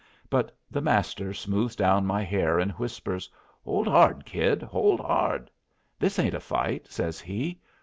But the Master smooths down my hair and whispers, "Hold 'ard, Kid, hold 'ard. This ain't a fight," says he.